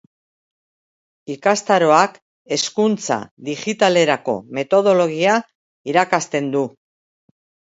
Ikastaroak hezkuntza digitalerako metodologia irakasten du.